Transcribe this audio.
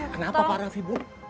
kenapa pak raffi bu